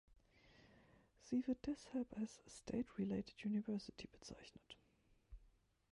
Sie wird deshalb als "state-related University" bezeichnet.